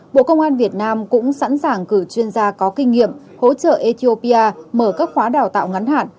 bộ công an việt nam cũng sẵn sàng cử chuyên gia có kinh nghiệm hỗ trợ ethiopia mở các khóa đào tạo ngắn hạn